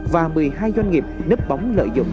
và một mươi hai doanh nghiệp nếp bóng lợi dụng